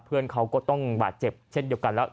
เพื่อนเขาก็ต้องบาดเจ็บเช่นเดียวกันแล้ว